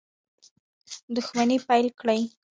دښمني پیل کړي.